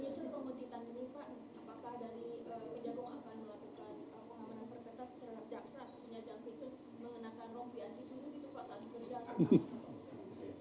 apakah dari pejabat akan melakukan pengambilan tersebut karena jaksa